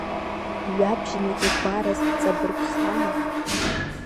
Жәабжьны игәараз ҵабыргхама?